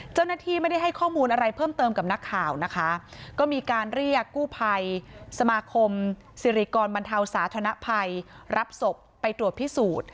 เจ้าหน้าที่ไม่ได้ให้ข้อมูลอะไรเพิ่มเติมกับนักข่าวนะคะก็มีการเรียกกู้ภัยสมาคมสิริกรบรรเทาสาธนภัยรับศพไปตรวจพิสูจน์